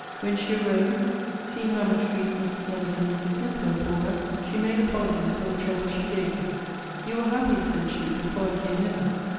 When she arose, seeing how much grieved Mrs. Lovick and Mrs. Smith were for her, she made apologies for the trouble she gave them You were happy, said she, before I came hither.